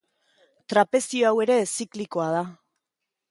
Trapezio hau ere ziklikoa da.